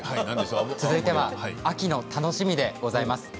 続いては秋の楽しみでございます。